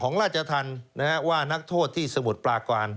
ราชธรรมว่านักโทษที่สมุทรปลาการ